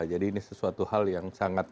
jadi ini sesuatu hal yang sangat